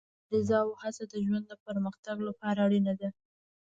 مبارزه او هڅه د ژوند د پرمختګ لپاره اړینه ده.